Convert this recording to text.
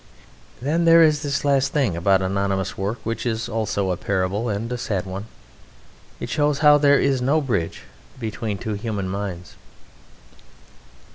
Then there is this last thing about anonymous work, which is also a parable and a sad one. It shows how there is no bridge between two human minds.